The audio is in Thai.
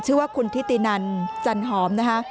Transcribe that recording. ชื่อว่าคุณทิตินันจันหอมนะคะ